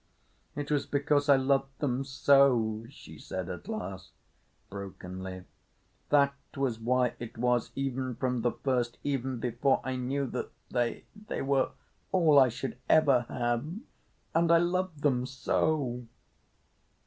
"It was because I loved them so," she said at last, brokenly. "That was why it was, even from the first—even before I knew that they—they were all I should ever have. And I loved them so!"